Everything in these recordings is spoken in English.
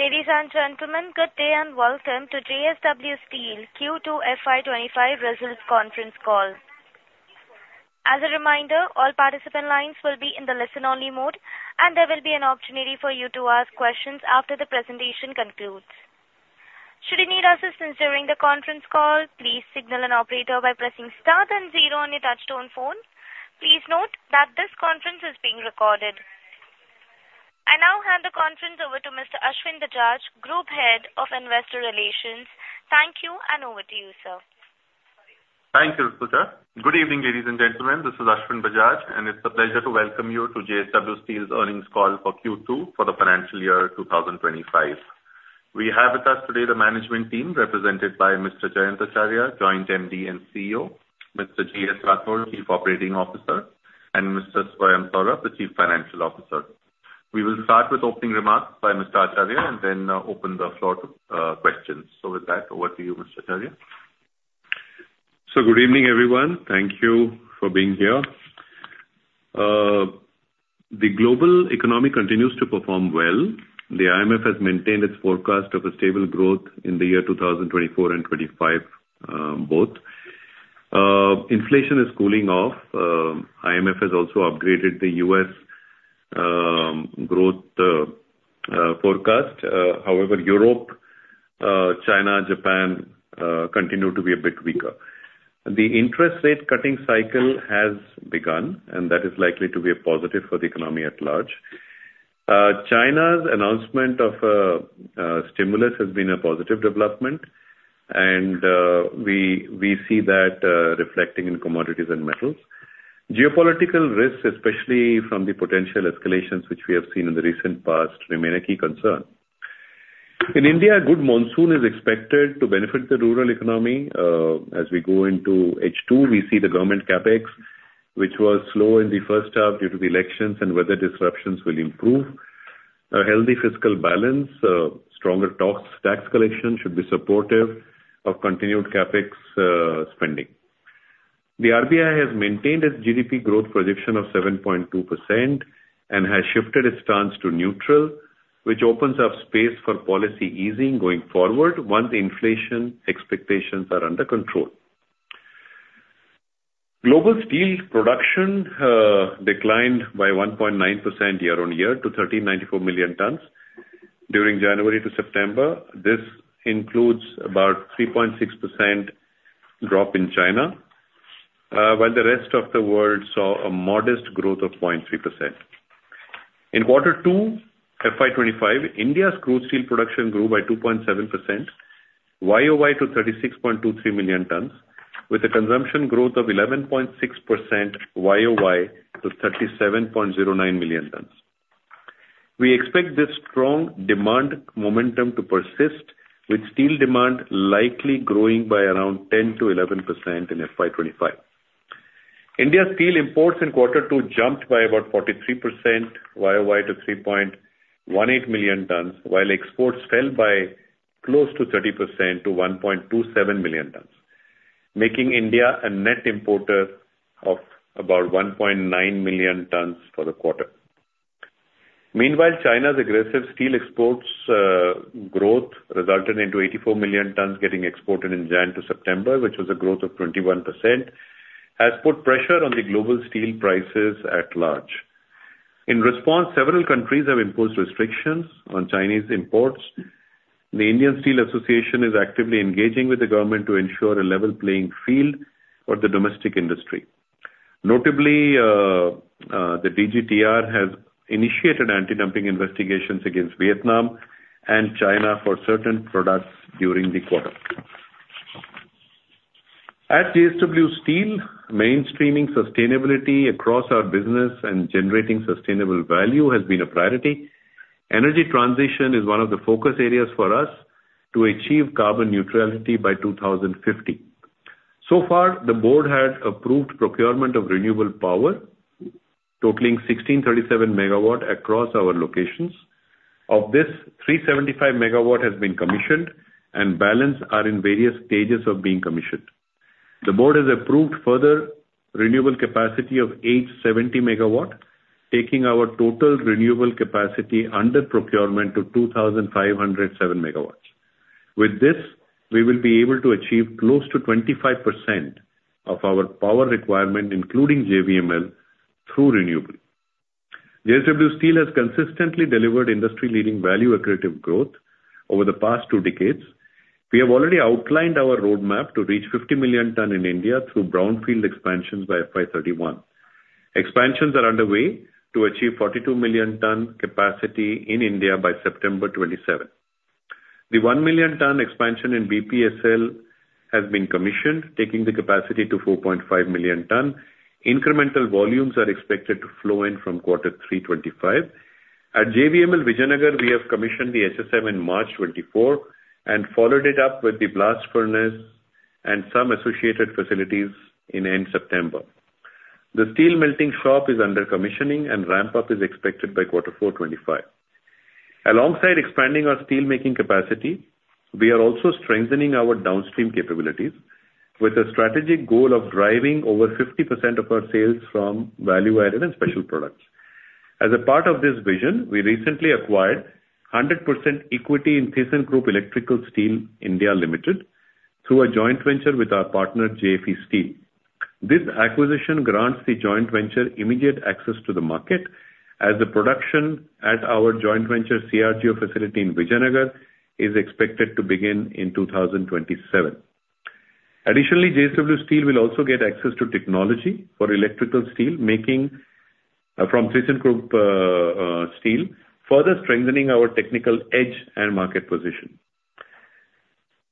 Ladies and gentlemen, good day, and welcome to JSW Steel Q2 FY 2025 results conference call. As a reminder, all participant lines will be in the listen-only mode, and there will be an opportunity for you to ask questions after the presentation concludes. Should you need assistance during the conference call, please signal an operator by pressing star then zero on your touchtone phone. Please note that this conference is being recorded. I now hand the conference over to Mr. Ashwin Bajaj, Group Head of Investor Relations. Thank you, and over to you, sir. Thank you, Operator. Good evening, ladies and gentlemen. This is Ashwin Bajaj, and it's a pleasure to welcome you to JSW Steel's earnings call for Q2 for the financial year two thousand twenty-five. We have with us today the management team, represented by Mr. Jayant Acharya, Joint MD and CEO, Mr. GS Rathore, Chief Operating Officer, and Mr. Swayam Saurabh, the Chief Financial Officer. We will start with opening remarks by Mr. Acharya and then open the floor to questions. So with that, over to you, Mr. Acharya. Good evening, everyone. Thank you for being here. The global economy continues to perform well. The IMF has maintained its forecast of a stable growth in the year 2024 and 2025, both. Inflation is cooling off. IMF has also upgraded the U.S. growth forecast. However, Europe, China, Japan continue to be a bit weaker. The interest rate cutting cycle has begun, and that is likely to be a positive for the economy at large. China's announcement of stimulus has been a positive development, and we see that reflecting in commodities and metals. Geopolitical risks, especially from the potential escalations which we have seen in the recent past, remain a key concern. In India, a good monsoon is expected to benefit the rural economy. As we go into H2, we see the government CapEx, which was slow in the first half due to the elections and weather disruptions, will improve. A healthy fiscal balance, stronger tax collection should be supportive of continued CapEx spending. The RBI has maintained its GDP growth projection of 7.2% and has shifted its stance to neutral, which opens up space for policy easing going forward once inflation expectations are under control. Global steel production declined by 1.9% year on year to 1,394 million tons during January to September. This includes about 3.6% drop in China, while the rest of the world saw a modest growth of 0.3%. In quarter two, FY 2025, India's crude steel production grew by 2.7% Y-o-Y to 36.23 million tons, with a consumption growth of 11.6% Y-o-Y to 37.09 million tons. We expect this strong demand momentum to persist, with steel demand likely growing by around 10% to 11% in FY 2025. India's steel imports in quarter two jumped by about 43% Y-o-Y to 3.18 million tons, while exports fell by close to 30% to 1.27 million tons, making India a net importer of about 1.9 million tons for the quarter. Meanwhile, China's aggressive steel exports growth resulted into 84 million tons getting exported in January to September, which was a growth of 21%, has put pressure on the global steel prices at large. In response, several countries have imposed restrictions on Chinese imports. The Indian Steel Association is actively engaging with the government to ensure a level playing field for the domestic industry. Notably, the DGTR has initiated antidumping investigations against Vietnam and China for certain products during the quarter. At JSW Steel, mainstreaming sustainability across our business and generating sustainable value has been a priority. Energy transition is one of the focus areas for us to achieve carbon neutrality by 2050. So far, the board has approved procurement of renewable power totaling 1,637 MWs across our locations. Of this, 375 MWs has been commissioned and balance are in various stages of being commissioned. The board has approved further renewable capacity of 870 MWs, taking our total renewable capacity under procurement to 2,507 MWs. With this, we will be able to achieve close to 25% of our power requirement, including JVML, through renewable. JSW Steel has consistently delivered industry-leading value accretive growth over the past two decades. We have already outlined our roadmap to reach 50 million ton in India through brownfield expansions by FY 2031. Expansions are underway to achieve 42 million ton capacity in India by September 2027. The 1 million ton expansion in BPSL has been commissioned, taking the capacity to 4.5 million ton. Incremental volumes are expected to flow in from quarter three, 2025. At JVML Vijayanagar, we have commissioned the HSM in March 2024 and followed it up with the blast furnace and some associated facilities in end September. The steel melting shop is under commissioning, and ramp-up is expected by quarter four, 2025. Alongside expanding our steelmaking capacity, we are also strengthening our downstream capabilities with a strategic goal of driving over 50% of our sales from value-added and special products. As a part of this vision, we recently acquired 100% equity in ThyssenKrupp Electrical Steel India Limited, through a joint venture with our partner, JFE Steel. This acquisition grants the joint venture immediate access to the market, as the production at our joint venture, CRGO facility in Vijayanagar, is expected to begin in 2027. Additionally, JSW Steel will also get access to technology for electrical steel making from ThyssenKrupp Steel, further strengthening our technical edge and market position.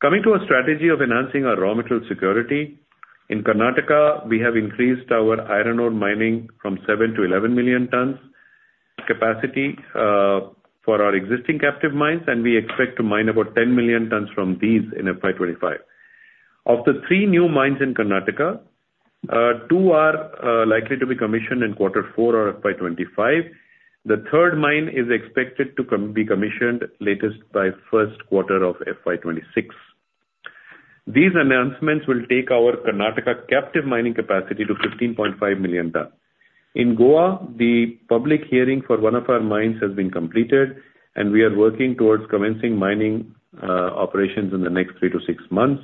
Coming to our strategy of enhancing our raw material security, in Karnataka, we have increased our iron ore mining from seven to 11 million tons capacity for our existing captive mines, and we expect to mine about 10 million tons from these in FY 2025. Of the three new mines in Karnataka, two are likely to be commissioned in quarter four or FY 2025. The third mine is expected to be commissioned latest by first quarter of FY 2026. These announcements will take our Karnataka captive mining capacity to 15.5 million tons. In Goa, the public hearing for one of our mines has been completed, and we are working towards commencing mining operations in the next three to six months,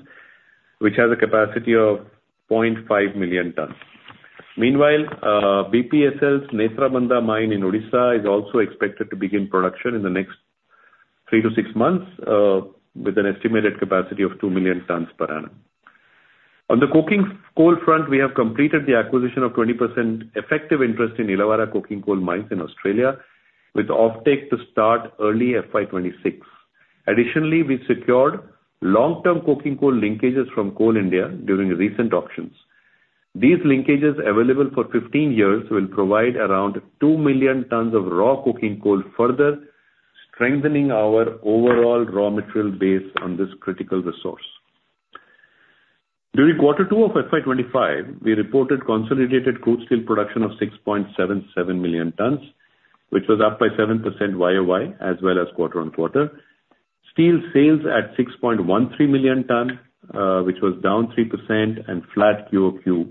which has a capacity of 0.5 million tons. Meanwhile, BPSL's Netrabandha mine in Odisha is also expected to begin production in the next three to six months, with an estimated capacity of 2 million tons per annum. On the coking coal front, we have completed the acquisition of 20% effective interest in Illawarra Coking Coal mines in Australia, with offtake to start early FY 2026. Additionally, we secured long-term coking coal linkages from Coal India during recent auctions. These linkages, available for 15 years, will provide around 2 million tons of raw coking coal, further strengthening our overall raw material base on this critical resource. During quarter two of FY 2025, we reported consolidated crude steel production of 6.77 million tons, which was up by 7% YOY, as well as quarter on quarter. Steel sales at 6.13 million tons, which was down 3% and flat QOQ.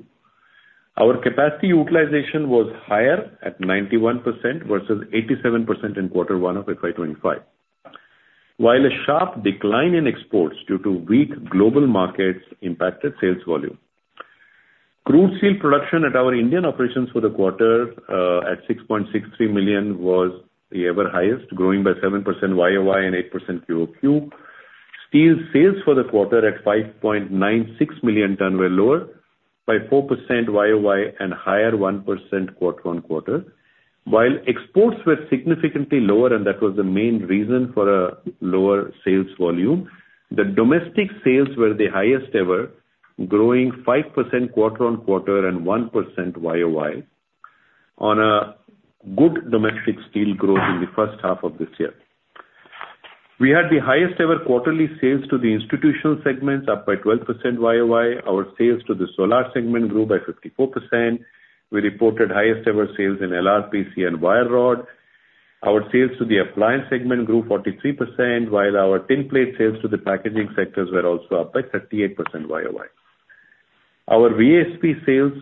Our capacity utilization was higher at 91% versus 87% in quarter one of FY 2025. While a sharp decline in exports due to weak global markets impacted sales volume. Crude steel production at our Indian operations for the quarter at 6.63 million was the ever highest, growing by 7% YOY and 8% QOQ. Steel sales for the quarter at 5.96 million ton were lower by 4% YOY and higher 1% quarter on quarter. While exports were significantly lower, and that was the main reason for a lower sales volume, the domestic sales were the highest ever, growing 5% quarter on quarter and 1% YOY on a good domestic steel growth in the first half of this year. We had the highest ever quarterly sales to the institutional segments, up by 12% YOY. Our sales to the solar segment grew by 54%. We reported highest ever sales in LRPC and wire rod. Our sales to the appliance segment grew 43%, while our tin plate sales to the packaging sectors were also up by 38% YOY. Our VASP sales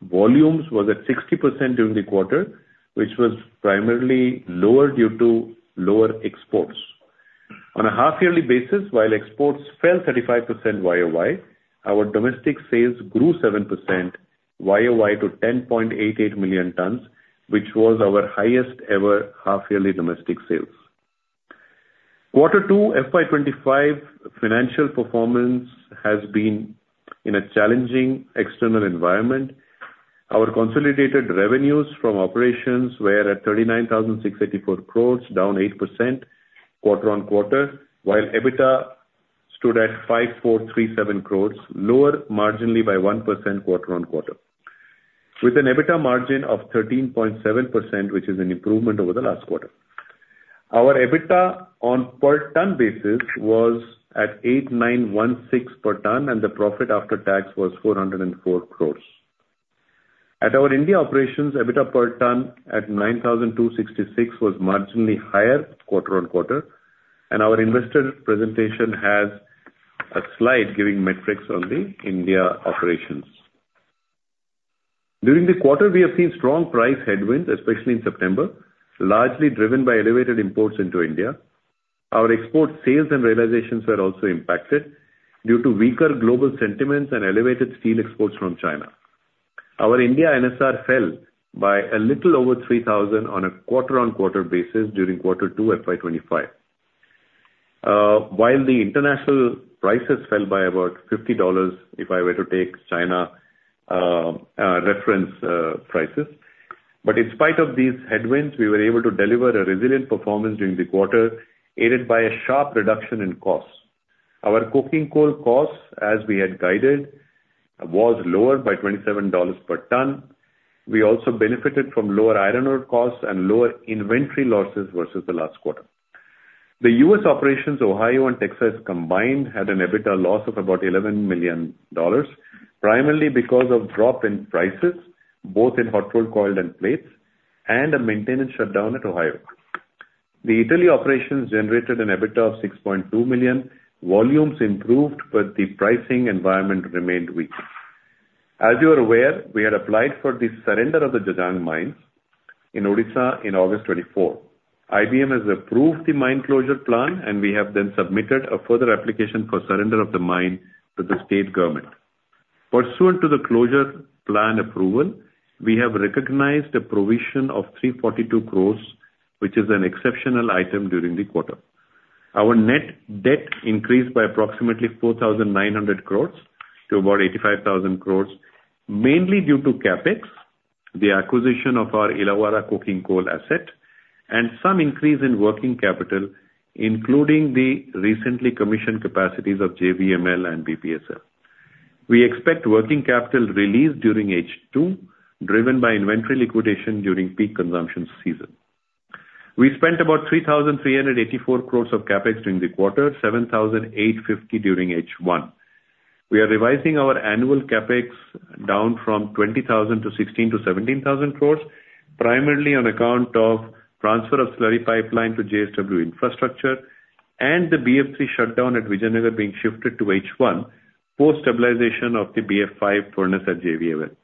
volumes was at 60% during the quarter, which was primarily lower due to lower exports. On a half-yearly basis, while exports fell 35% YOY, our domestic sales grew 7% YOY to 10.88 million tons, which was our highest ever half-yearly domestic sales. Quarter two, FY 2025 financial performance has been in a challenging external environment. Our consolidated revenues from operations were at 39,684 crore, down 8% quarter on quarter, while EBITDA stood at 5,437 crore, lower marginally by 1% quarter on quarter, with an EBITDA margin of 13.7%, which is an improvement over the last quarter. Our EBITDA on per ton basis was at 8,916 per ton, and the profit after tax was 404 crore. At our India operations, EBITDA per ton at 9,266 was marginally higher quarter on quarter, and our investor presentation has a slide giving metrics on the India operations. During the quarter, we have seen strong price headwinds, especially in September, largely driven by elevated imports into India. Our export sales and realizations were also impacted due to weaker global sentiments and elevated steel exports from China. Our India NSR fell by a little over 3,000 on a quarter-on-quarter basis during quarter two, FY 2025. While the international prices fell by about $50, if I were to take China reference prices. But in spite of these headwinds, we were able to deliver a resilient performance during the quarter, aided by a sharp reduction in costs. Our coking coal costs, as we had guided, was lower by $27 per ton. We also benefited from lower iron ore costs and lower inventory losses versus the last quarter. The U.S. operations, Ohio and Texas combined, had an EBITDA loss of about $11 million, primarily because of drop in prices, both in hot-rolled coil and plates, and a maintenance shutdown at Ohio. The Italy operations generated an EBITDA of 6.2 million. Volumes improved, but the pricing environment remained weak. As you are aware, we had applied for the surrender of the Jajang mine in Odisha in August 2024. IBM has approved the mine closure plan, and we have then submitted a further application for surrender of the mine to the state government. Pursuant to the closure plan approval, we have recognized a provision of 342 crore, which is an exceptional item during the quarter. Our net debt increased by approximately 4,900 crore to about 85,000 crore, mainly due to CapEx, the acquisition of our Illawarra coking coal asset, and some increase in working capital, including the recently commissioned capacities of JVML and BPSL. We expect working capital release during H2, driven by inventory liquidation during peak consumption season. We spent about 3,384 crore of CapEx during the quarter, 7,850 crore during H1. We are revising our annual CapEx down from 20,000 crore to 16,000 crore-17,000 crore, primarily on account of transfer of slurry pipeline to JSW Infrastructure and the BF3 shutdown at Vijayanagar being shifted to H1, post stabilization of the BF5 furnace at JVML.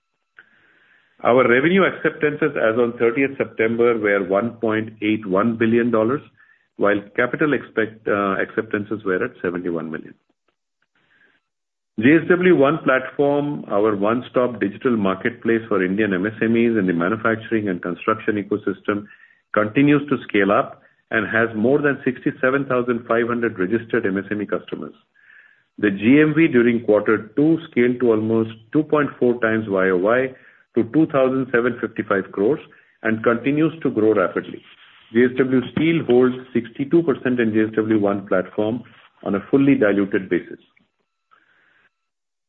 Our revenue acceptances as on thirtieth September were $1.81 billion, while capital expenditure acceptances were at $71 million. JSW One Platform, our one-stop digital marketplace for Indian MSMEs in the manufacturing and construction ecosystem, continues to scale up and has more than 67,500 registered MSME customers. The GMV during quarter two scaled to almost 2.4 times Y-o-Y to 2,755 crore and continues to grow rapidly. JSW Steel holds 62% in JSW One Platform on a fully diluted basis.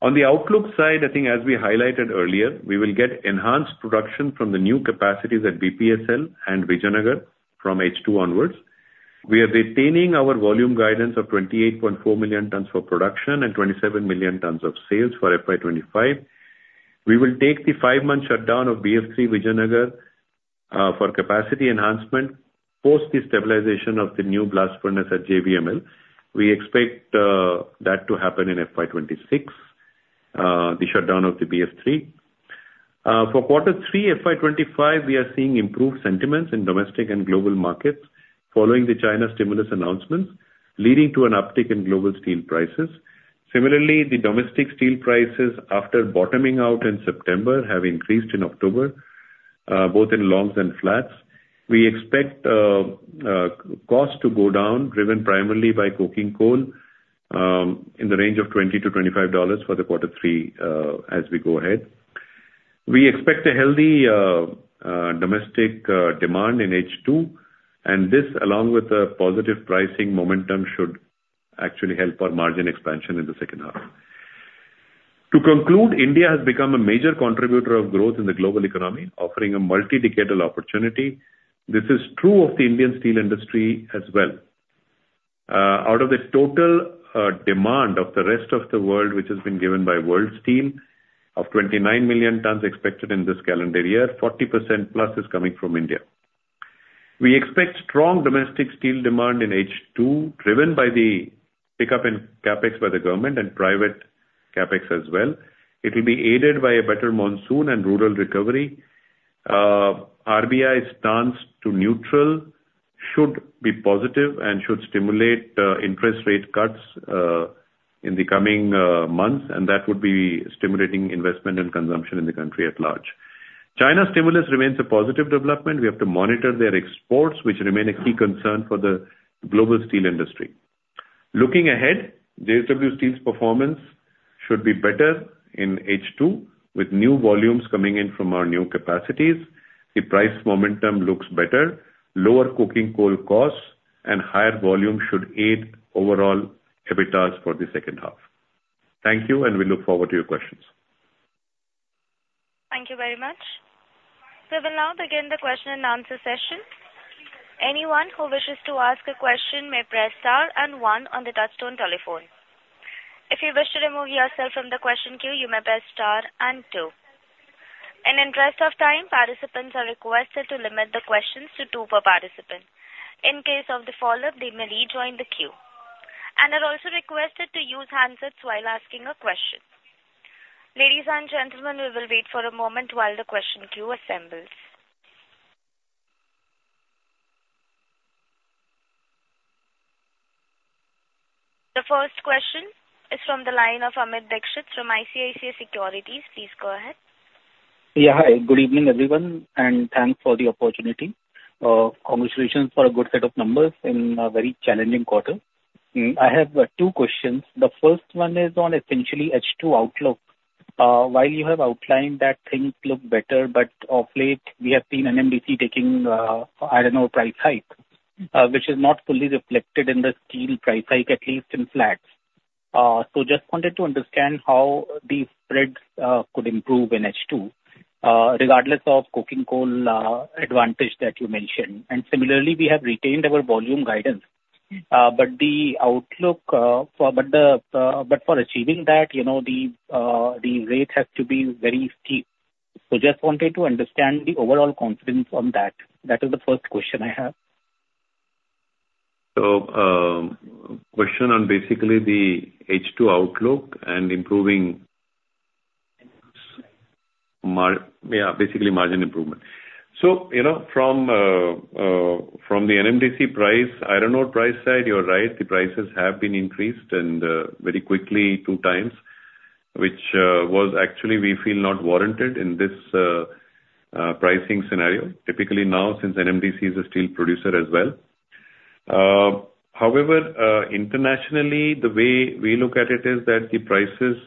On the outlook side, I think as we highlighted earlier, we will get enhanced production from the new capacities at BPSL and Vijayanagar from H2 onwards. We are retaining our volume guidance of 28.4 million tons for production and 27 million tons of sales for FY 2025. We will take the five-month shutdown of BF3 Vijayanagar for capacity enhancement post the stabilization of the new blast furnace at JVML. We expect that to happen in FY 2026, the shutdown of the BF3. For quarter three, FY 2025, we are seeing improved sentiments in domestic and global markets following the China stimulus announcements, leading to an uptick in global steel prices. Similarly, the domestic steel prices, after bottoming out in September, have increased in October, both in longs and flats. We expect cost to go down, driven primarily by coking coal, in the range of $20-$25 for quarter three, as we go ahead. We expect a healthy domestic demand in H2, and this, along with the positive pricing momentum, should actually help our margin expansion in the second half. To conclude, India has become a major contributor of growth in the global economy, offering a multi-decadal opportunity. This is true of the Indian steel industry as well. Out of the total demand of the rest of the world, which has been given by World Steel of 29 million tons expected in this calendar year, 40% plus is coming from India. We expect strong domestic steel demand in H2, driven by the pickup in CapEx by the government and private CapEx as well. It will be aided by a better monsoon and rural recovery. RBI stance to neutral should be positive and should stimulate interest rate cuts in the coming months, and that would be stimulating investment and consumption in the country at large. China stimulus remains a positive development. We have to monitor their exports, which remain a key concern for the global steel industry. Looking ahead, JSW Steel's performance should be better in H2 with new volumes coming in from our new capacities. The price momentum looks better. Lower coking coal costs and higher volume should aid overall EBITDA for the second half. Thank you, and we look forward to your questions. Thank you very much. We will now begin the question and answer session. Anyone who wishes to ask a question may press star and one on the touchtone telephone. If you wish to remove yourself from the question queue, you may press star and two. In interest of time, participants are requested to limit the questions to two per participant. In case of the follow-up, they may rejoin the queue, and are also requested to use handsets while asking a question. Ladies and gentlemen, we will wait for a moment while the question queue assembles. The first question is from the line of Amit Dixit from ICICI Securities. Please go ahead. Yeah, hi. Good evening, everyone, and thanks for the opportunity. Congratulations for a good set of numbers in a very challenging quarter. I have two questions. The first one is on essentially H2 outlook. While you have outlined that things look better, but of late we have seen NMDC taking, I don't know, price hike, which is not fully reflected in the steel price hike, at least in flats. So just wanted to understand how the spreads could improve in H2, regardless of coking coal advantage that you mentioned. And similarly, we have retained our volume guidance, but the outlook for but for achieving that, you know, the rate has to be very steep.... So just wanted to understand the overall confidence on that. That is the first question I have. So, question on basically the H2 outlook and improving margins, yeah, basically margin improvement. So, you know, from the NMDC price, iron ore price side, you're right, the prices have been increased and very quickly two times, which was actually we feel not warranted in this pricing scenario, typically now, since NMDC is a steel producer as well. However, internationally, the way we look at it is that the prices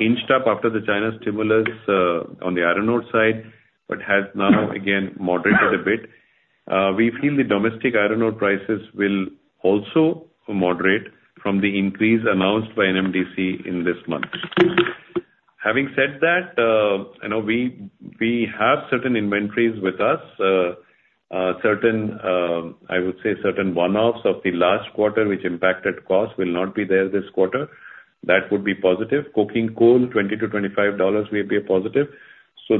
inched up after the China stimulus on the iron ore side, but has now again moderated a bit. We feel the domestic iron ore prices will also moderate from the increase announced by NMDC in this month. Having said that, you know, we have certain inventories with us. I would say certain one-offs of the last quarter, which impacted cost will not be there this quarter. That would be positive. Coking coal, $20-$25 will be a positive.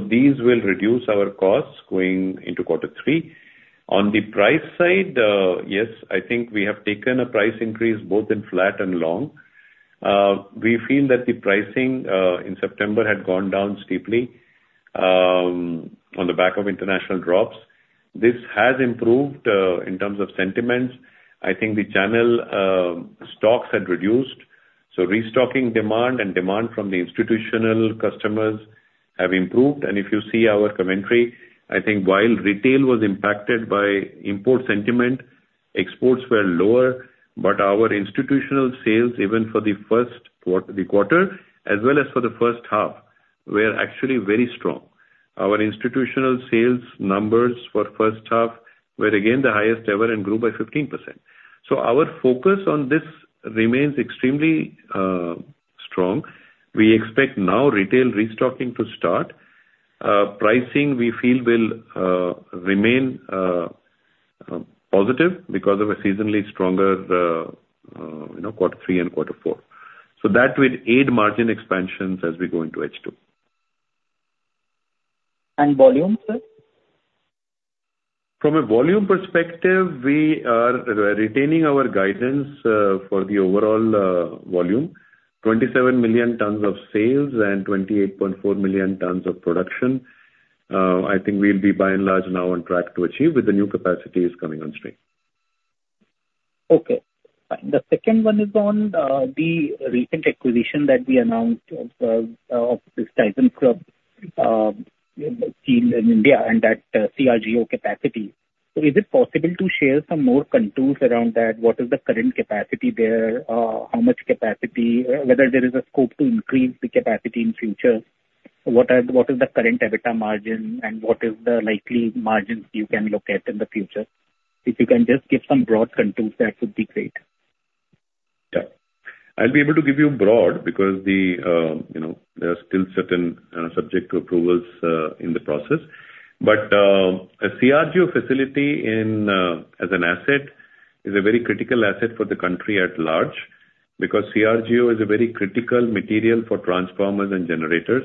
These will reduce our costs going into quarter three. On the price side, yes, I think we have taken a price increase both in flat and long. We feel that the pricing in September had gone down steeply on the back of international drops. This has improved in terms of sentiments. I think the channel stocks had reduced, so restocking demand and demand from the institutional customers have improved. If you see our commentary, I think while retail was impacted by import sentiment, exports were lower, but our institutional sales, even for the first quarter, as well as for the first half, were actually very strong. Our institutional sales numbers for first half were again the highest ever and grew by 15%. Our focus on this remains extremely strong. We expect now retail restocking to start. Pricing, we feel will remain positive because of a seasonally stronger, you know, quarter three and quarter four. That will aid margin expansions as we go into H2. Volume, sir? From a volume perspective, we are re-retaining our guidance for the overall volume. Twenty-seven million tons of sales and twenty-eight point four million tons of production. I think we'll be by and large now on track to achieve with the new capacities coming on stream. Okay. Fine. The second one is on the recent acquisition that we announced of this ThyssenKrupp entity in India and that CRGO capacity. So is it possible to share some more color around that? What is the current capacity there? How much capacity... whether there is a scope to increase the capacity in future? What is the current EBITDA margin, and what is the likely margins you can look at in the future? If you can just give some broad color, that would be great. Yeah. I'll be able to give you broad, because the, you know, there are still certain, subject to approvals, in the process, but a CRGO facility in, as an asset, is a very critical asset for the country at large, because CRGO is a very critical material for transformers and generators.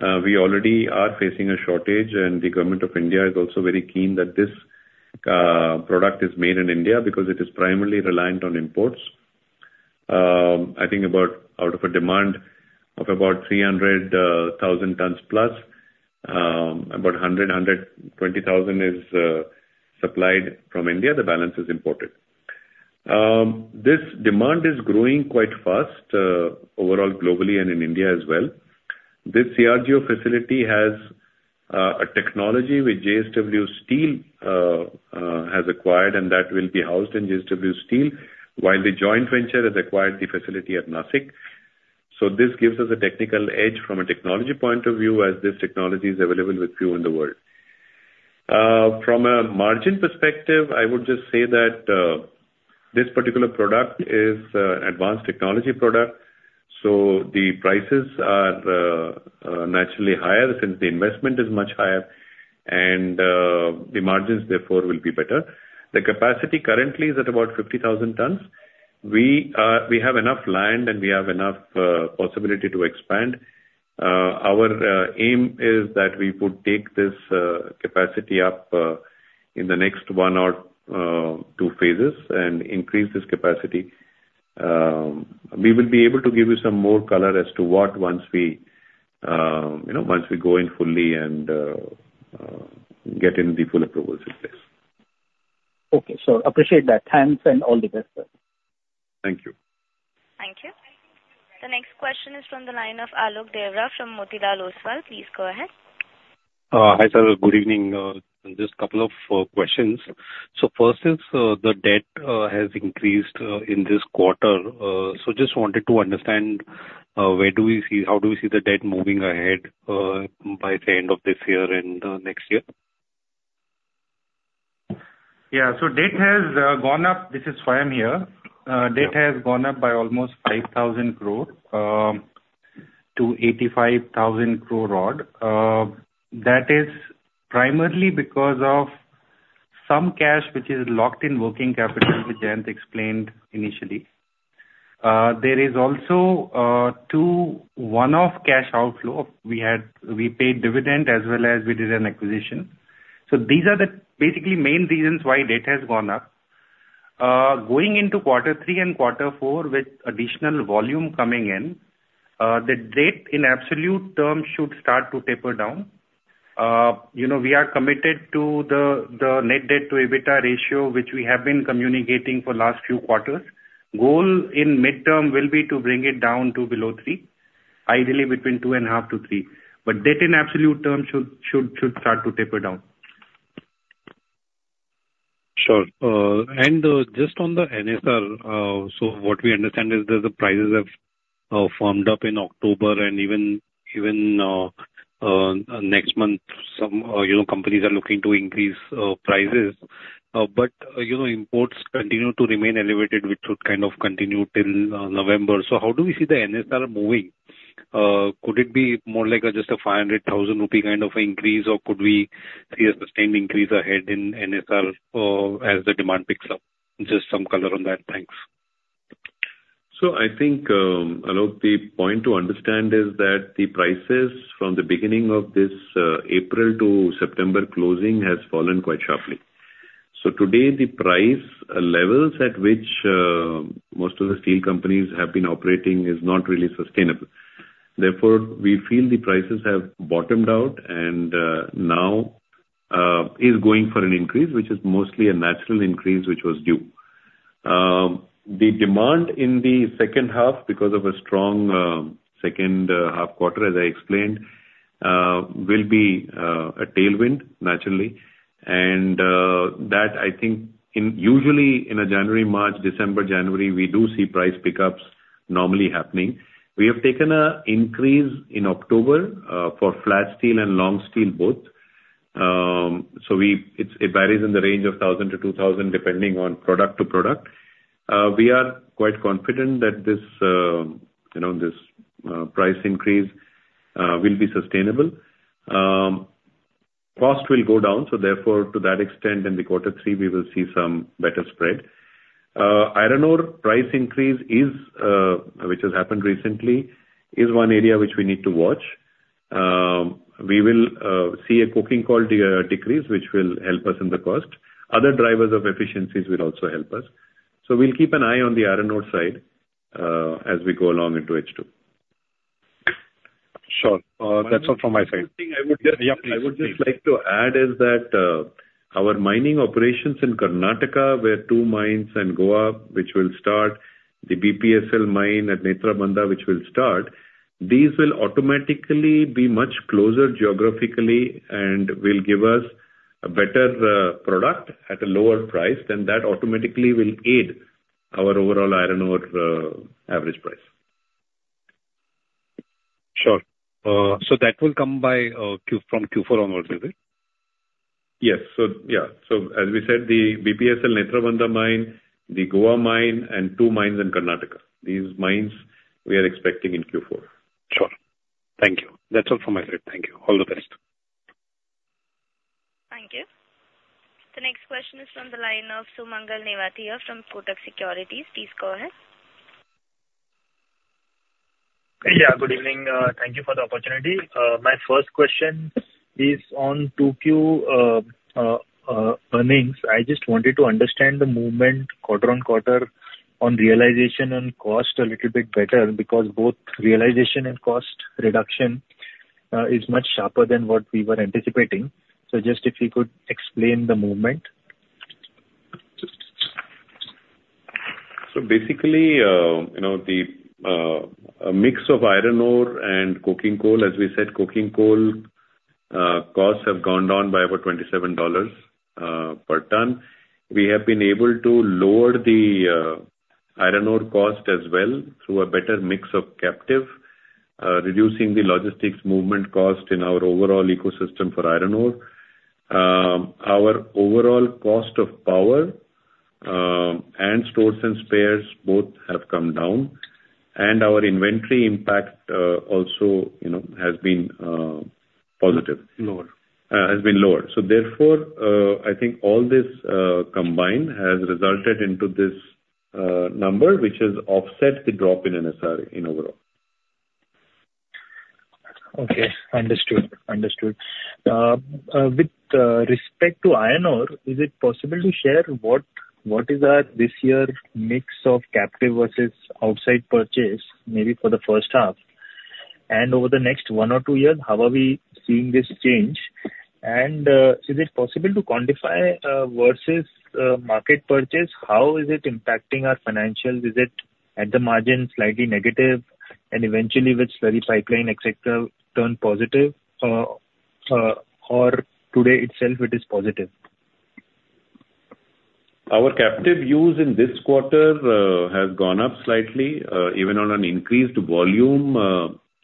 We already are facing a shortage, and the government of India is also very keen that this, product is made in India because it is primarily reliant on imports. I think about, out of a demand of about 300 thousand tons plus, about 120 thousand is, supplied from India, the balance is imported. This demand is growing quite fast, overall, globally and in India as well. This CRGO facility has a technology which JSW Steel has acquired, and that will be housed in JSW Steel, while the joint venture has acquired the facility at Nashik. So this gives us a technical edge from a technology point of view, as this technology is available with few in the world. From a margin perspective, I would just say that this particular product is an advanced technology product, so the prices are naturally higher since the investment is much higher, and the margins therefore will be better. The capacity currently is at about 50,000 tons. We have enough land, and we have enough possibility to expand. Our aim is that we would take this capacity up in the next one or two phases and increase this capacity. We will be able to give you some more color as to what, once we, you know, once we go in fully and get in the full approvals in place. Okay, so appreciate that. Thanks, and all the best, sir. Thank you. Thank you. The next question is from the line of Alok Deora from Motilal Oswal. Please go ahead. Hi, sir, good evening. Just a couple of questions. So first is, the debt has increased in this quarter. So just wanted to understand, where do we see, how do we see the debt moving ahead, by the end of this year and next year? Yeah. So debt has gone up. This is Swayam here. Debt has gone up by almost 5,000 crore to 85,000 crore odd. That is primarily because of-... some cash which is locked in working capital, which Jayant explained initially. There is also two one-off cash outflow. We paid dividend as well as we did an acquisition. So these are basically the main reasons why debt has gone up. Going into quarter three and quarter four with additional volume coming in, the debt in absolute terms should start to taper down. You know, we are committed to the net debt to EBITDA ratio, which we have been communicating for last few quarters. Goal in midterm will be to bring it down to below three, ideally between two and a half to three. But debt in absolute terms should start to taper down. Sure. And just on the NSR, so what we understand is that the prices have firmed up in October and even next month, some you know companies are looking to increase prices. But you know imports continue to remain elevated, which would kind of continue till November. So how do we see the NSR moving? Could it be more like just a 500,000 rupee kind of increase, or could we see a sustained increase ahead in NSR as the demand picks up? Just some color on that. Thanks. So I think, Alok, the point to understand is that the prices from the beginning of this April to September closing has fallen quite sharply. So today, the price levels at which most of the steel companies have been operating is not really sustainable. Therefore, we feel the prices have bottomed out and now is going for an increase, which is mostly a natural increase, which was due. The demand in the second half, because of a strong second half quarter, as I explained, will be a tailwind naturally. And that I think in usually in a January, March, December, January, we do see price pick-ups normally happening. We have taken a increase in October for flat steel and long steel both. So it varies in the range of thousand to two thousand, depending on product to product. We are quite confident that this, you know, this price increase will be sustainable. Cost will go down, so therefore, to that extent in the quarter three, we will see some better spread. Iron ore price increase which has happened recently is one area which we need to watch. We will see a coking coal decrease, which will help us in the cost. Other drivers of efficiencies will also help us. So we'll keep an eye on the iron ore side as we go along into H2. Sure. That's all from my side. One more thing I would just- Yeah, please. I would just like to add is that, our mining operations in Karnataka, where two mines in Goa, which will start, the BPSL mine at Netrabandha, which will start. These will automatically be much closer geographically and will give us a better, product at a lower price, then that automatically will aid our overall iron ore, average price. Sure. So that will come by from Q4 onwards, will it? Yes. So, yeah, so as we said, the BPSL Netrabandha mine, the Goa mine, and two mines in Karnataka. These mines we are expecting in Q4. Sure. Thank you. That's all from my side. Thank you. All the best. Thank you. The next question is from the line of Sumangal Nevatia from Kotak Securities. Please go ahead. Yeah, good evening. Thank you for the opportunity. My first question is on 2Q earnings. I just wanted to understand the movement quarter on quarter on realization and cost a little bit better, because both realization and cost reduction is much sharper than what we were anticipating. So just if you could explain the movement. So basically, you know, the mix of iron ore and coking coal, as we said, coking coal costs have gone down by about $27 per ton. We have been able to lower the iron ore cost as well through a better mix of captive, reducing the logistics movement cost in our overall ecosystem for iron ore. Our overall cost of power and stores and spares both have come down, and our inventory impact also, you know, has been positive. Lower. has been lower. So therefore, I think all this combined has resulted into this number, which has offset the drop in NSR in overall. Okay, understood. Understood. With respect to iron ore, is it possible to share what is our this year's mix of captive versus outside purchase, maybe for the first half? And over the next one or two years, how are we seeing this change? And, is it possible to quantify, versus market purchase, how is it impacting our financial? Is it at the margin, slightly negative, and eventually with steady pipeline, et cetera, turn positive? Or today itself it is positive? Our captive use in this quarter has gone up slightly, even on an increased volume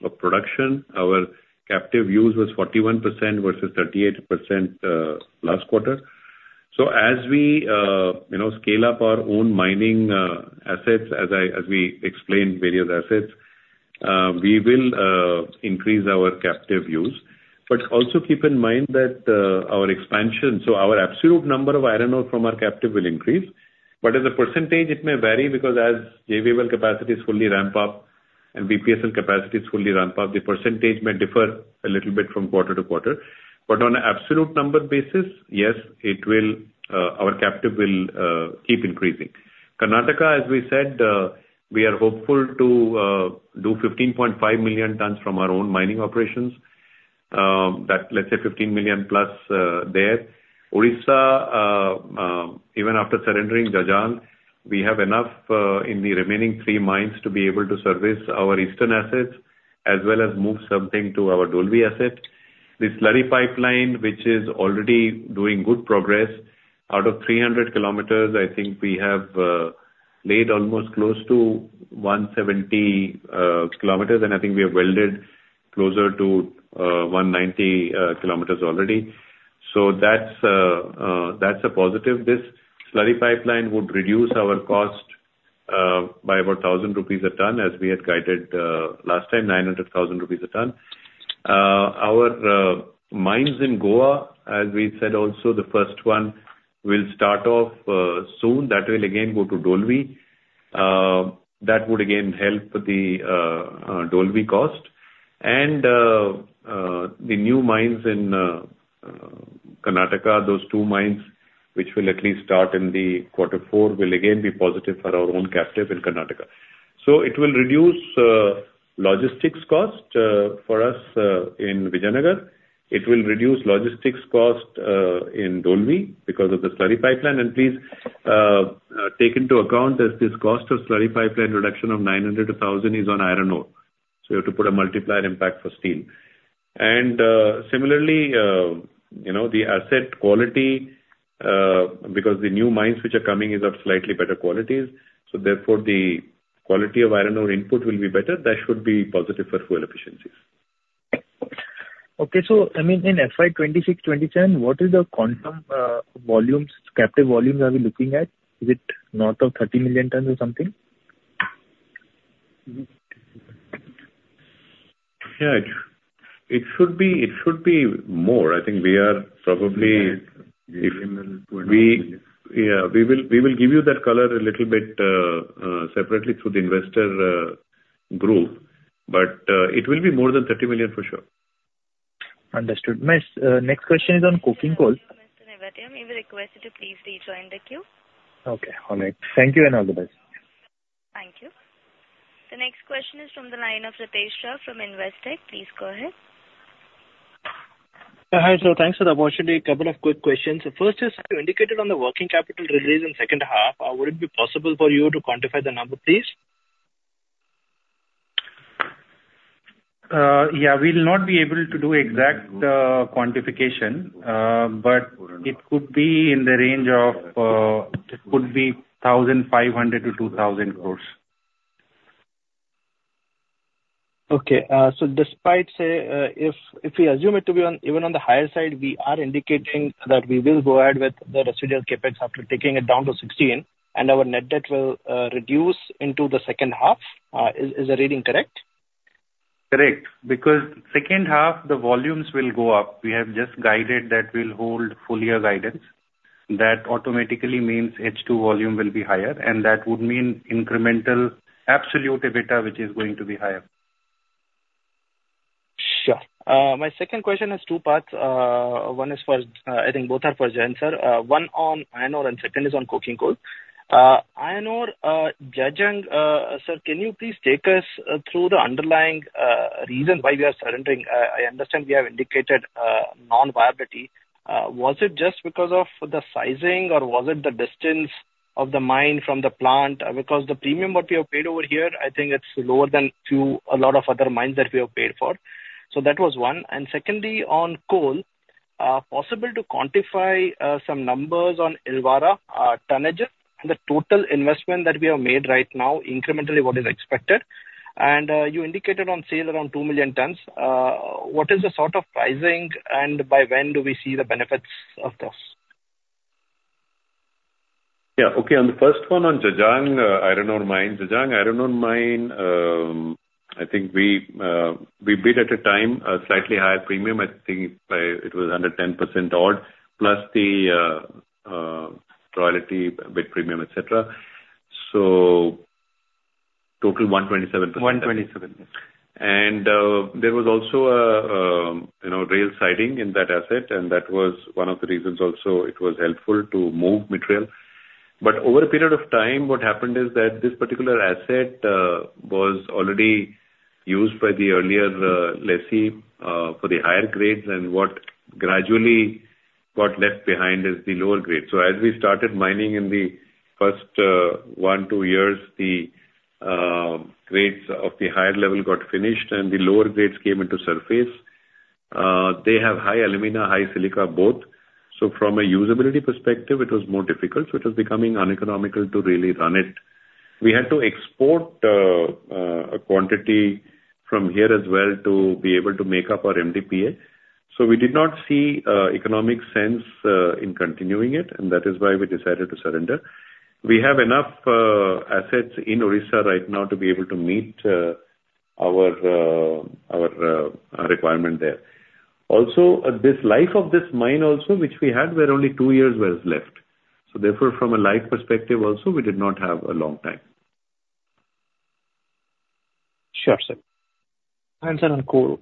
of production. Our captive use was 41% versus 38%, last quarter. So as we, you know, scale up our own mining assets, as we explained, various assets, we will increase our captive use, but also keep in mind that our expansion, so our absolute number of iron ore from our captive will increase, but as a percentage it may vary because as JVML capacity is fully ramped up and BPSL capacity is fully ramped up, the percentage may differ a little bit from quarter to quarter. But on an absolute number basis, yes, it will, our captive will keep increasing. Karnataka, as we said, we are hopeful to do 15.5 million tons from our own mining operations, that let's say 15 million plus there. Odisha, even after surrendering Jajang, we have enough in the remaining three mines to be able to service our eastern assets as well as move something to our Dolvi asset. The slurry pipeline, which is already doing good progress, out of 300 kilometers, I think we have laid almost close to 170 kilometers, and I think we have welded closer to 190 kilometers already. So that's a positive. This slurry pipeline would reduce our cost by about 1,000 rupees a ton, as we had guided last time, 900-1,000 rupees a ton. Our mines in Goa, as we said, also the first one will start off soon. That will again go to Dolvi. That would again help the Dolvi cost, and the new mines in Karnataka, those two mines, which will at least start in the quarter four, will again be positive for our own captive in Karnataka, so it will reduce logistics cost for us in Vijayanagar. It will reduce logistics cost in Dolvi because of the slurry pipeline, and please take into account that this cost of slurry pipeline reduction of 900-1,000 is on iron ore, so you have to put a multiplier impact for steel. Similarly, you know, the asset quality, because the new mines which are coming is of slightly better qualities, so therefore, the quality of iron ore input will be better. That should be positive for fuel efficiencies. Okay. So I mean, in FY 2026, 2027, what is the quantum, volumes, captive volumes are we looking at? Is it north of 30 million tons or something? Yeah, it should be more. I think we are probably- ... We, yeah, we will give you that color a little bit separately through the investor group, but it will be more than thirty million for sure. Understood. My next question is on coking coal. Mr. Nevatia, may we request you to please rejoin the queue? Okay, all right. Thank you, and all the best. Thank you. The next question is from the line of Ritesh Shah from Investec. Please go ahead. Hi, so thanks for the opportunity. A couple of quick questions. The first is, you indicated on the working capital release in second half, would it be possible for you to quantify the number, please? Yeah, we'll not be able to do exact quantification, but it could be in the range of 1,500 crore-2,000 crore. Okay, so despite, say, if we assume it to be on even on the higher side, we are indicating that we will go out with the residual CapEx after taking it down to 16, and our net debt will reduce into the second half. Is the reading correct? Correct. Because second half, the volumes will go up. We have just guided that we'll hold full year guidance. That automatically means H2 volume will be higher, and that would mean incremental absolute EBITDA, which is going to be higher. Sure. My second question has two parts. One is for, I think both are for Jayant, sir. One on iron ore and second is on coking coal. Iron ore, Jajang, sir, can you please take us through the underlying reason why we are surrendering? I understand we have indicated non-viability. Was it just because of the sizing, or was it the distance of the mine from the plant? Because the premium what we have paid over here, I think it's lower than to a lot of other mines that we have paid for. So that was one. And secondly, on coal, possible to quantify some numbers on Illawarra, tonnage, the total investment that we have made right now, incrementally, what is expected? And, you indicated on sale around 2 million tons. What is the sort of pricing, and by when do we see the benefits of this? Yeah. Okay, on the first one, on Jajang, iron ore mine. Jajang iron ore mine, I think we bid at a time a slightly higher premium. I think, it was under 10% odd, plus the royalty bid premium, et cetera. So total 127%. One twenty-seven, yes. And there was also a, you know, rail siding in that asset, and that was one of the reasons also it was helpful to move material. But over a period of time, what happened is that this particular asset was already used by the earlier lessee for the higher grades, and what gradually got left behind is the lower grade. So as we started mining in the first one, two years, the grades of the higher level got finished and the lower grades came into surface. They have high alumina, high silica, both. So from a usability perspective, it was more difficult, so it was becoming uneconomical to really run it. We had to export a quantity from here as well to be able to make up our MDPA. So we did not see economic sense in continuing it, and that is why we decided to surrender. We have enough assets in Odisha right now to be able to meet our requirement there. Also, this life of this mine also, which we had, where only two years was left. So therefore, from a life perspective also, we did not have a long time. Sure, sir. And sir, on coal?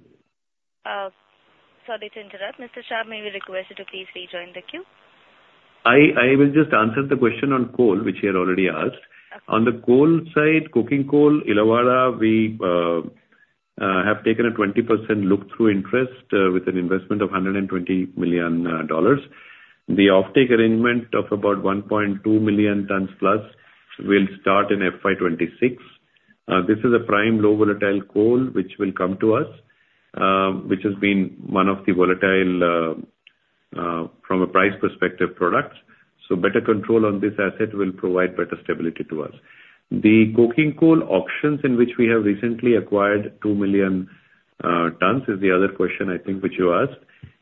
Sorry to interrupt, Mr. Shah, may we request you to please rejoin the queue? I will just answer the question on coal, which he had already asked. Okay. On the coal side, coking coal, Illawarra, we have taken a 20% look-through interest, with an investment of $120 million. The offtake arrangement of about 1.2 million tons plus will start in FY 2026. This is a prime low volatile coal which will come to us, which has been one of the volatile, from a price perspective, products. So better control on this asset will provide better stability to us. The coking coal auctions in which we have recently acquired 2 million tons, is the other question I think which you asked,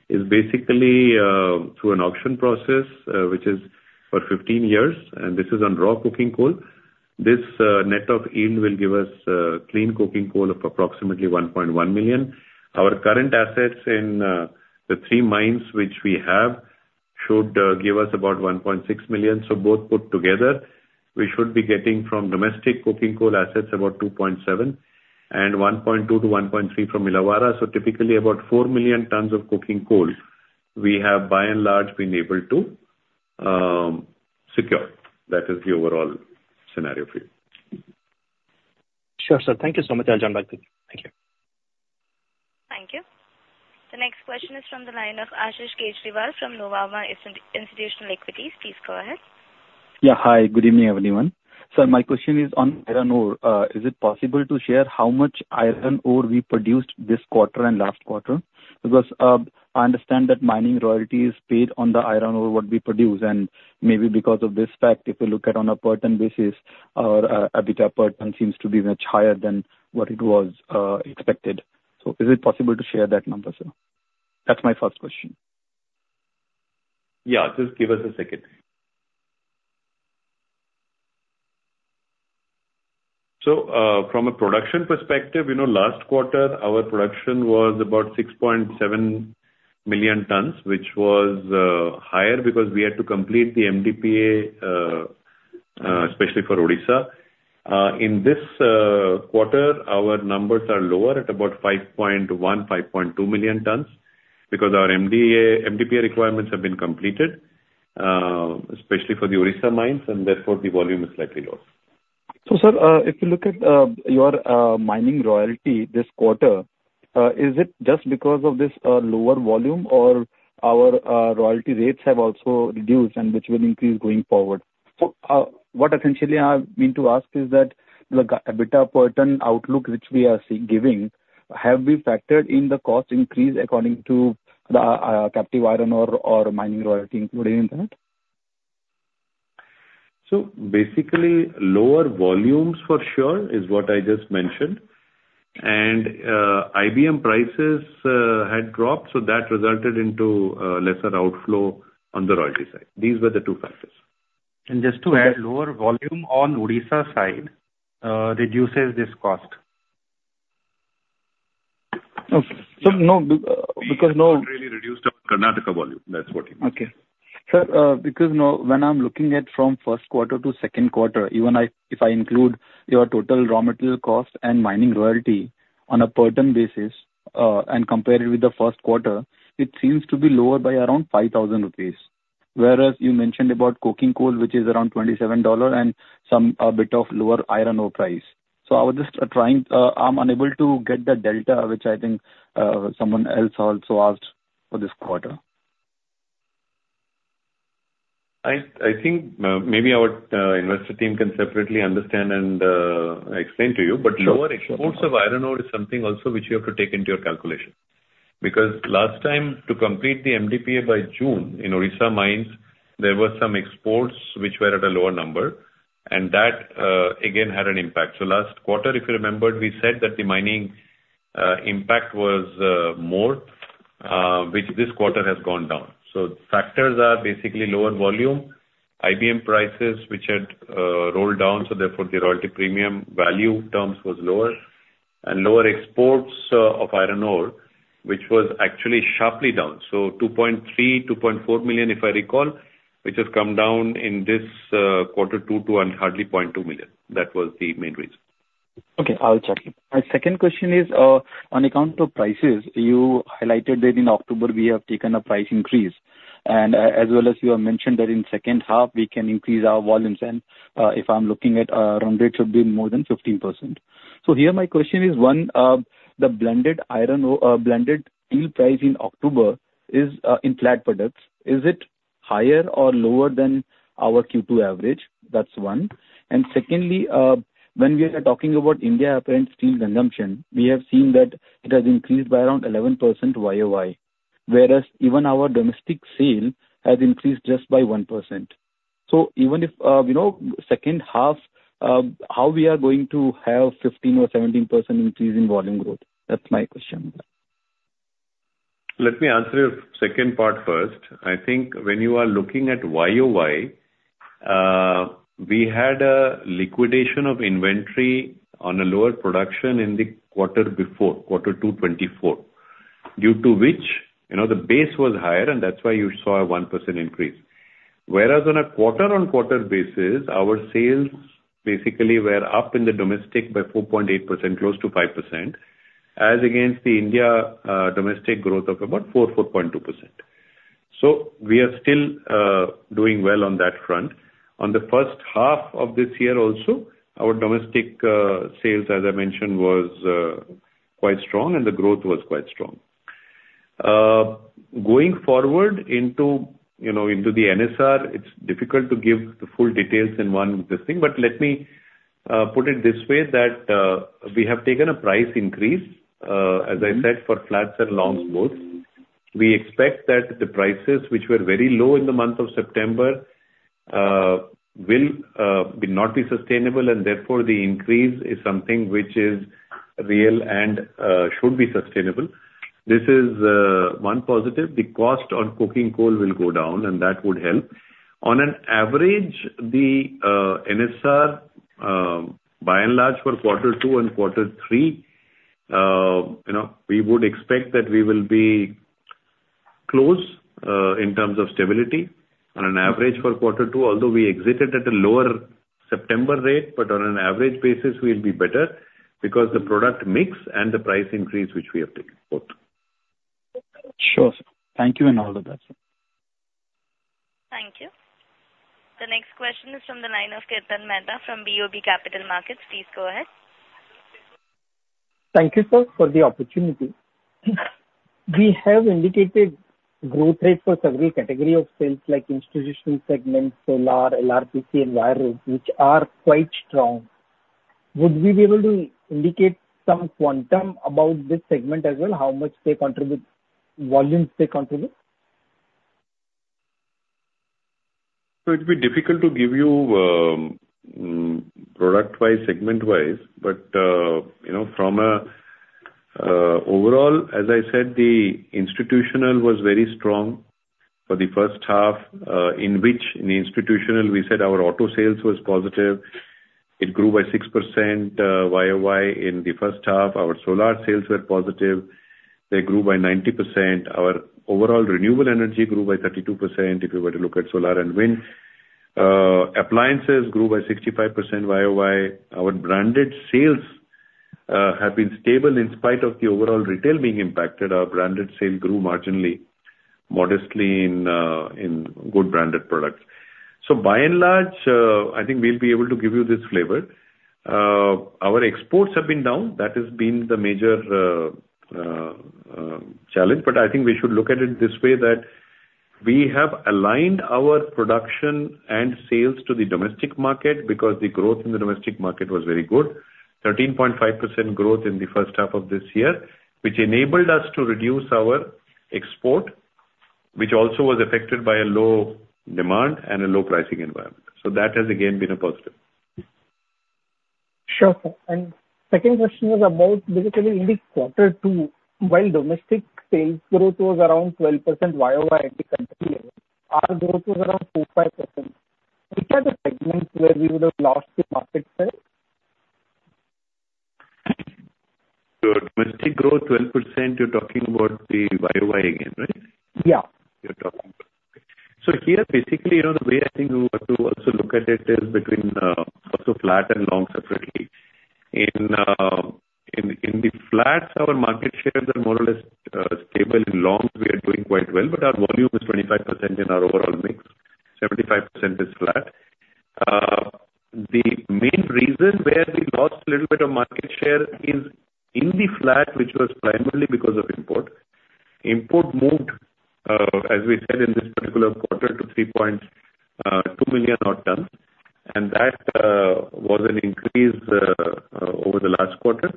is basically, through an auction process, which is for 15 years, and this is on raw coking coal. This, net of yield will give us, clean coking coal of approximately 1.1 million. Our current assets in the three mines which we have should give us about one point six million. So both put together, we should be getting from domestic coking coal assets, about two point seven, and one point two to one point three from Illawarra. So typically, about four million tons of coking coal we have by and large been able to secure. That is the overall scenario for you. Sure, sir. Thank you so much. I'll join back then. Thank you. Thank you. The next question is from the line of Ashish Kejriwal from Nuvama Institutional Equities. Please go ahead. Yeah. Hi, good evening, everyone. So my question is on iron ore. Is it possible to share how much iron ore we produced this quarter and last quarter? Because I understand that mining royalty is paid on the iron ore what we produce, and maybe because of this fact, if you look at on a per ton basis, our EBITDA per ton seems to be much higher than what it was expected. So is it possible to share that number, sir? That's my first question. Yeah, just give us a second. So, from a production perspective, you know, last quarter, our production was about 6.7 million tons, which was higher because we had to complete the MDPA, especially for Odisha. In this quarter, our numbers are lower at about 5.1-5.2 million tons, because our MDPA requirements have been completed, especially for the Odisha mines, and therefore, the volume is slightly lower. So, sir, if you look at your mining royalty this quarter, is it just because of this lower volume or our royalty rates have also reduced and which will increase going forward? So, what essentially I mean to ask is that the EBITDA per ton outlook, which we are giving, have we factored in the cost increase according to the captive iron ore or mining royalty included in that? So basically, lower volumes for sure is what I just mentioned. And, IBM prices had dropped, so that resulted into lesser outflow on the royalty side. These were the two factors. And just to add, lower volume on Odisha side, reduces this cost. Okay. So no, because no- Really reduced our Karnataka volume. That's what he means. Okay. Sir, because now when I'm looking at from first quarter to second quarter, even if I include your total raw material cost and mining royalty on a per ton basis, and compare it with the first quarter, it seems to be lower by around 5,000 rupees. Whereas you mentioned about coking coal, which is around $27, and some, a bit of lower iron ore price. So I was just, trying. I'm unable to get the delta, which I think, someone else also asked for this quarter. I think maybe our investor team can separately understand and explain to you- Sure. But lower exports of iron ore is something also which you have to take into your calculation. Because last time, to complete the MDPA by June in Odisha mines, there were some exports which were at a lower number, and that, again, had an impact. So last quarter, if you remember, we said that the mining, impact was, more, which this quarter has gone down. So factors are basically lower volume, IBM prices, which had, rolled down, so therefore, the royalty premium value terms was lower, and lower exports, of iron ore, which was actually sharply down. So two point three, two point four million, if I recall, which has come down in this, quarter two to hardly point two million. That was the main reason. Okay, I'll check. My second question is on account of prices. You highlighted that in October we have taken a price increase, and as well as you have mentioned that in second half we can increase our volumes, and if I'm looking at around rates should be more than 15%. So here my question is, one, the blended steel price in October is in flat products, is it higher or lower than our Q2 average? That's one. And secondly, when we are talking about India apparent steel consumption, we have seen that it has increased by around 11% YOY, whereas even our domestic sale has increased just by 1%. So even if you know second half, how we are going to have 15% or 17% increase in volume growth? That's my question. ...Let me answer your second part first. I think when you are looking at YOY, we had a liquidation of inventory on a lower production in the quarter before, quarter two 2024, due to which, you know, the base was higher, and that's why you saw a 1% increase. Whereas on a quarter-on-quarter basis, our sales basically were up in the domestic by 4.8%, close to 5%, as against the India domestic growth of about four, 4.2%. So we are still doing well on that front. On the first half of this year also, our domestic sales, as I mentioned, was quite strong, and the growth was quite strong. Going forward into, you know, into the NSR, it's difficult to give the full details in one this thing, but let me put it this way, that we have taken a price increase. Mm-hmm. As I said, for flats and longs both. We expect that the prices, which were very low in the month of September, will not be sustainable, and therefore, the increase is something which is real and should be sustainable. This is one positive. The cost on coking coal will go down, and that would help. On an average, the NSR, by and large, for quarter two and quarter three, you know, we would expect that we will be close in terms of stability. On an average for quarter two, although we exited at a lower September rate, but on an average basis, we'll be better because the product mix and the price increase which we have taken, both. Sure, sir. Thank you, and all the best. Thank you. The next question is from the line of Kirtan Mehta from BOB Capital Markets. Please go ahead. Thank you, sir, for the opportunity. We have indicated growth rate for several category of sales, like institutional segments, solar, LRPC and wire, which are quite strong. Would we be able to indicate some quantum about this segment as well, how much they contribute, volumes they contribute? It'd be difficult to give you, product-wise, segment-wise, but you know, from a overall, as I said, the institutional was very strong for the first half, in which, in the institutional, we said our auto sales was positive. It grew by 6% YOY in the first half. Our solar sales were positive. They grew by 90%. Our overall renewable energy grew by 32%, if you were to look at solar and wind. Appliances grew by 65% YOY. Our branded sales have been stable in spite of the overall retail being impacted. Our branded sale grew marginally, modestly in good branded products, so by and large, I think we'll be able to give you this flavor. Our exports have been down. That has been the major challenge, but I think we should look at it this way, that we have aligned our production and sales to the domestic market, because the growth in the domestic market was very good. 13.5% growth in the first half of this year, which enabled us to reduce our export, which also was affected by a low demand and a low pricing environment. So that has again been a positive. Sure, sir. And second question was about, basically, in the quarter two, while domestic sales growth was around 12% YOY in the country, our growth was around 4-5%. Which are the segments where we would have lost the market share? Domestic growth 12%, you're talking about the YOY again, right? Yeah. So here, basically, you know, the way I think we were to also look at it is between also flat and long separately. In the flats, our market shares are more or less stable. In longs, we are doing quite well, but our volume is 25% in our overall mix. 75% is flat. The main reason where we lost a little bit of market share is in the flat, which was primarily because of import. Import moved, as we said, in this particular quarter, to 3.2 million tons, and that was an increase over the last quarter.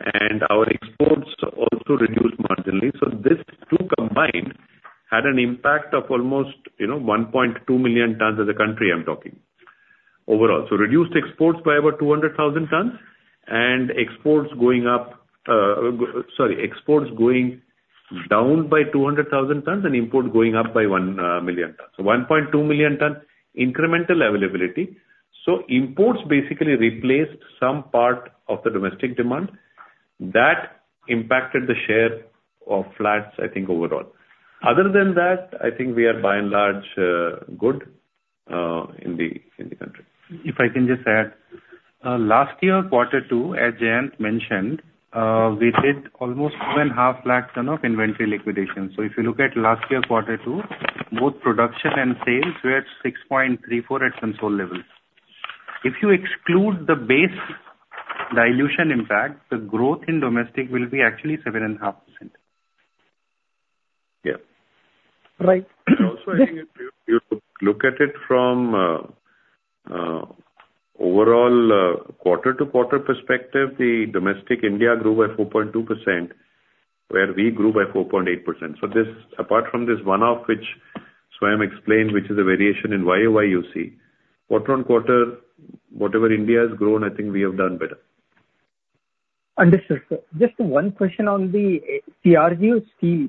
And our exports also reduced marginally. So this two combined had an impact of almost, you know, 1.2 million tons as a country, I'm talking overall. Reduced exports by about two hundred thousand tons, and exports going down by two hundred thousand tons and imports going up by one million tons. So one point two million ton incremental availability. So imports basically replaced some part of the domestic demand. That impacted the share of flats, I think, overall. Other than that, I think we are by and large good in the country. If I can just add, last year, quarter two, as Jayant mentioned, we did almost 750,000 tons of inventory liquidation. So if you look at last year, quarter two, both production and sales were at 6.34 at consolidated level. If you exclude the base dilution impact, the growth in domestic will actually be 7.5%. Yeah. Right. Also, I think if you look at it from an overall quarter-to-quarter perspective, the domestic India grew by 4.2%, where we grew by 4.8%. So this, apart from this one-off, which Swayam explained, which is a variation in YOY, you see, quarter on quarter, whatever India has grown, I think we have done better.... Understood, sir. Just one question on the CRGO steel.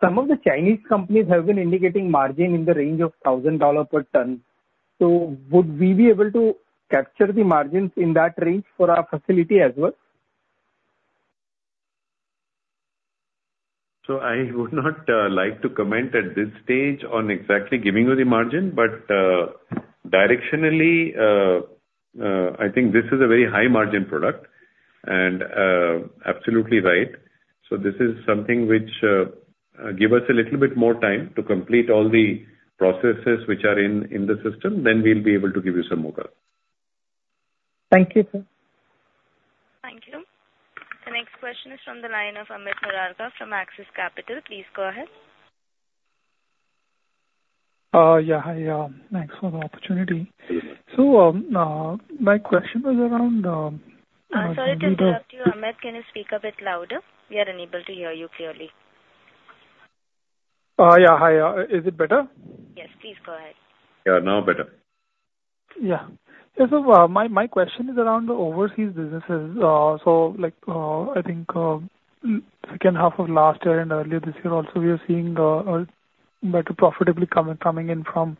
Some of the Chinese companies have been indicating margin in the range of $1,000 per ton. So would we be able to capture the margins in that range for our facility as well? So I would not like to comment at this stage on exactly giving you the margin, but directionally I think this is a very high margin product, and absolutely right. So this is something which give us a little bit more time to complete all the processes which are in the system, then we'll be able to give you some more guidance. Thank you, sir. Thank you. The next question is from the line of Amit Murarka from Axis Capital. Please go ahead. Yeah, hi, thanks for the opportunity. So, my question was around, Sorry to interrupt you, Amit. Can you speak a bit louder? We are unable to hear you clearly. Yeah, hi, is it better? Yes, please go ahead. Yeah, now better. Yeah, and so, my question is around the overseas businesses. So, like, I think, second half of last year and earlier this year also, we are seeing better profitability coming in from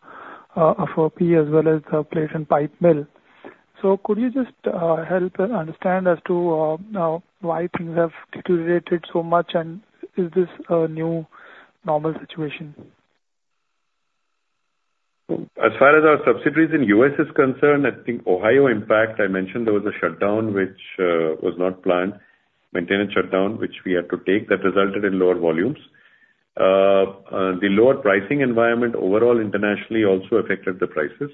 Ohio as well as the Plate and Pipe Mill. So could you just help understand as to why things have deteriorated so much, and is this a new normal situation? As far as our subsidiaries in U.S. is concerned, I think Ohio impact. I mentioned there was a shutdown which was not planned, maintenance shutdown, which we had to take, that resulted in lower volumes. The lower pricing environment overall internationally also affected the prices.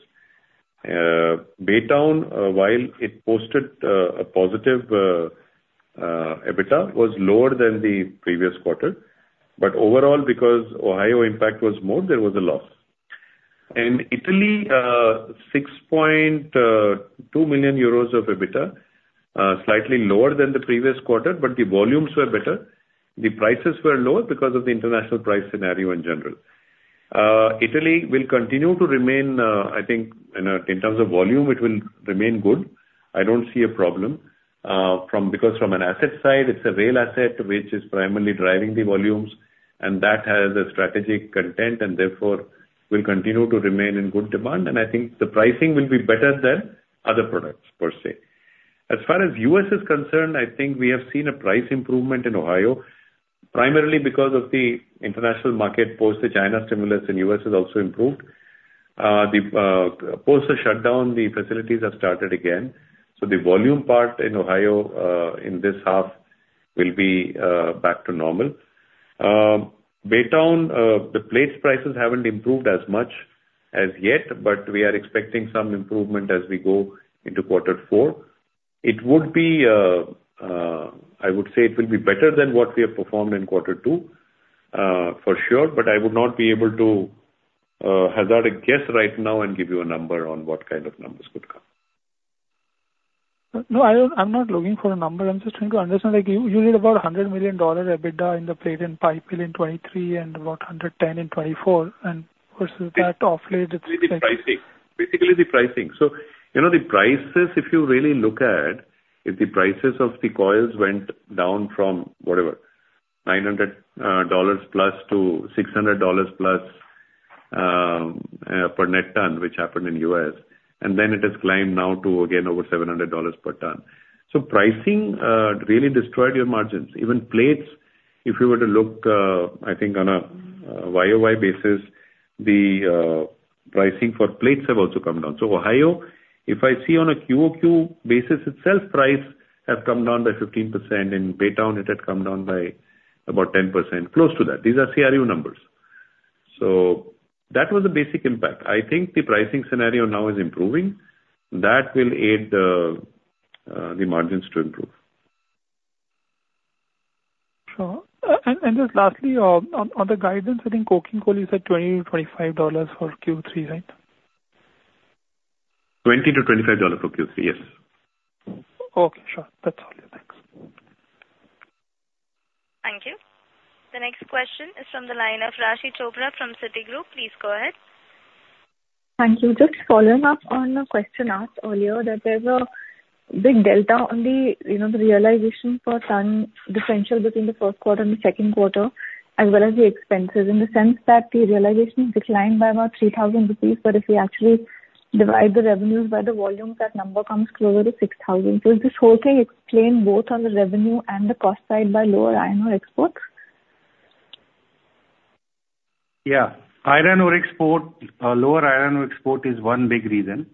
Baytown, while it posted a positive EBITDA, was lower than the previous quarter. Overall, because Ohio impact was more, there was a loss. In Italy, 6.2 million euros of EBITDA, slightly lower than the previous quarter, but the volumes were better. The prices were lower because of the international price scenario in general. Italy will continue to remain, I think, in terms of volume, it will remain good. I don't see a problem, from because from an asset side, it's a rail asset which is primarily driving the volumes, and that has a strategic content, and therefore will continue to remain in good demand, and I think the pricing will be better than other products per se. As far as US is concerned, I think we have seen a price improvement in Ohio, primarily because of the international market. Post the China stimulus in U.S. has also improved. Post the shutdown, the facilities have started again, so the volume part in Ohio, in this half will be back to normal. Baytown, the plates prices haven't improved as much as yet, but we are expecting some improvement as we go into quarter four. It would be, I would say it will be better than what we have performed in quarter two, for sure, but I would not be able to, hazard a guess right now and give you a number on what kind of numbers could come. No, I'm not looking for a number. I'm just trying to understand, like you, you need about $100 million EBITDA in the Plate and Pipe in 2023 and about $110 million in 2024, and versus that, awfully, it's like- Basically pricing. Basically the pricing. So you know, the prices, if you really look at, if the prices of the coils went down from whatever, $900+ to $600+ per net ton, which happened in U.S., and then it has climbed now to again over $700 per ton. So pricing really destroyed your margins. Even plates, if you were to look, I think on a YOY basis, the pricing for plates have also come down. So Ohio, if I see on a QOQ basis itself, price have come down by 15%. In Baytown, it had come down by about 10%, close to that. These are CRU numbers. So that was the basic impact. I think the pricing scenario now is improving. That will aid the margins to improve. Sure. And just lastly, on the guidance, I think coking coal is at $20-$25 for Q3, right? $20-$25 for Q3, yes. Okay, sure. That's all. Thanks. Thank you. The next question is from the line of Raashi Chopra from Citigroup. Please go ahead. Thank you. Just following up on a question asked earlier, that there's a big delta on the, you know, the realization per ton differential between the first quarter and the second quarter, as well as the expenses, in the sense that the realization declined by about 3,000 rupees. But if we actually divide the revenues by the volumes, that number comes closer to 6,000. So is this whole thing explained both on the revenue and the cost side by lower iron ore exports? Yeah. Iron ore export, lower iron ore export is one big reason.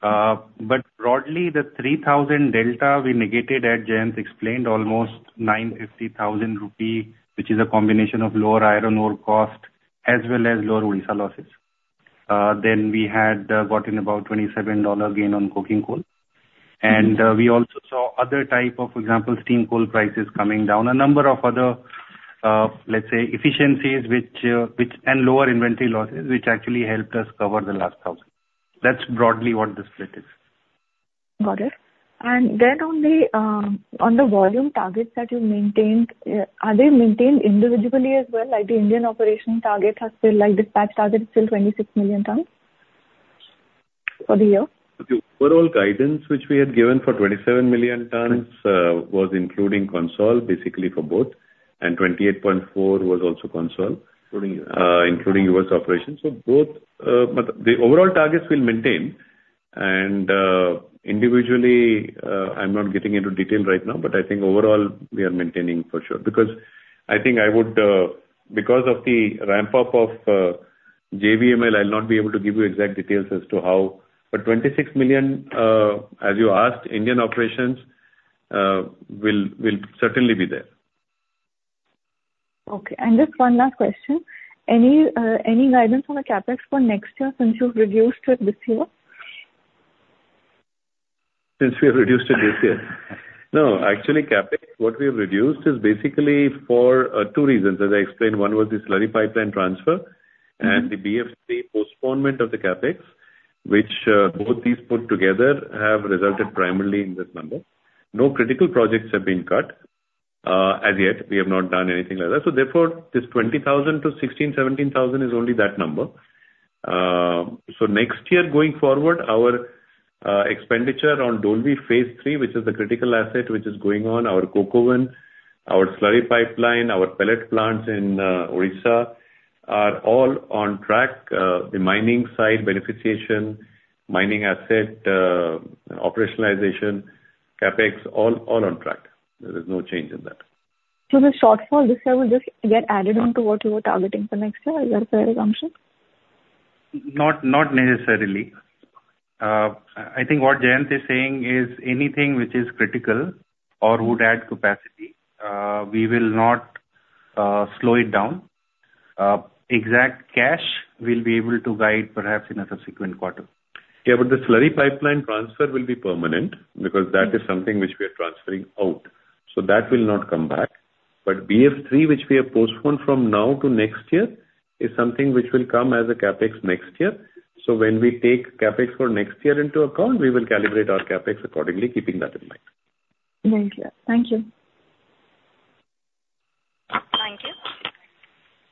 But broadly, the three thousand delta we negated as Jayant explained almost 950 rupee which is a combination of lower iron ore cost as well as lower volume losses. Then we had gotten about $27 gain on coking coal. And we also saw other type of, for example, steam coal prices coming down. A number of other, let's say, efficiencies, which and lower inventory losses, which actually helped us cover the last thousand. That's broadly what the split is. Got it. And then on the volume targets that you've maintained, are they maintained individually as well, like the Indian operational target has been, like, dispatch target is still twenty-six million tons? For the year? The overall guidance which we had given for 27 million tons was including consolidated, basically for both, and 28.4 was also consolidated. Including- Including U.S. operations. So both, but the overall targets we'll maintain, and, individually, I'm not getting into detail right now, but I think overall we are maintaining for sure. Because I think I would, because of the ramp up of JVML, I'll not be able to give you exact details as to how. But twenty-six million, as you asked, Indian operations, will certainly be there. Okay. And just one last question. Any, any guidance on the CapEx for next year since you've reduced it this year? Since we have reduced it this year? No, actually, CapEx, what we have reduced is basically for, two reasons. As I explained, one was the slurry pipeline transfer- Mm-hmm. And the BF3 postponement of the CapEx, which both these put together have resulted primarily in this number. No critical projects have been cut. As yet, we have not done anything like that. So therefore, this 20,000 to 16,000-17,000 is only that number. So next year, going forward, our expenditure on Dolvi Phase Three, which is the critical asset which is going on, our coke oven, our slurry pipeline, our pellet plants in Odisha, are all on track. The mining side, beneficiation, mining asset operationalization, CapEx, all on track. There is no change in that. So the shortfall this year will just get added on to what you were targeting for next year, is that fair assumption? Not necessarily. I think what Jayant is saying is, anything which is critical or would add capacity, we will not slow it down. Exact cash, we'll be able to guide perhaps in a subsequent quarter. Yeah, but the slurry pipeline transfer will be permanent, because that is something which we are transferring out, so that will not come back. But BF3, which we have postponed from now to next year, is something which will come as a CapEx next year. So when we take CapEx for next year into account, we will calibrate our CapEx accordingly, keeping that in mind. Thank you. Thank you. Thank you.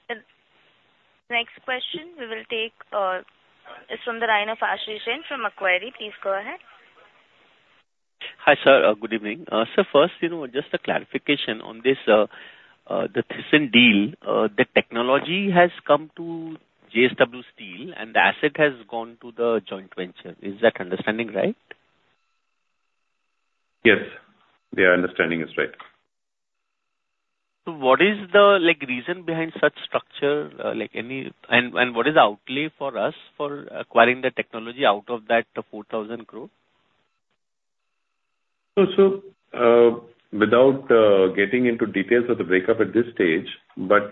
The next question we will take is from the line of Ashish Jain from Macquarie. Please go ahead. Hi, sir. Good evening. Sir, first, you know, just a clarification on this, the Thyssen deal. The technology has come to JSW Steel and the asset has gone to the joint venture. Is that understanding right? Yes, your understanding is right. So what is the, like, reason behind such structure? And what is the outlay for us for acquiring the technology out of that 4,000 crore? Without getting into details of the breakup at this stage, but